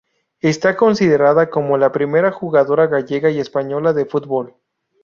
Está considerada como la primera jugadora gallega y española de fútbol.